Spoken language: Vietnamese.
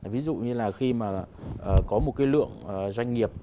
ví dụ như là khi mà có một cái lượng doanh nghiệp